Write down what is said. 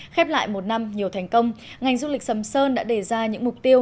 khép lại một năm nhiều thành công ngành du lịch sầm sơn đã đề ra những mục tiêu